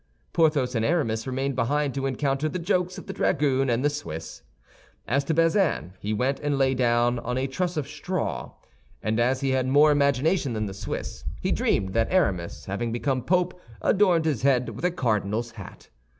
Porthos and Aramis remained behind to encounter the jokes of the dragoon and the Swiss. As to Bazin, he went and lay down on a truss of straw; and as he had more imagination than the Swiss, he dreamed that Aramis, having become pope, adorned his head with a cardinal's hat.